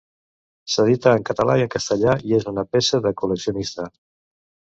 S'edita en català i en castellà i és una peça de col·leccionista.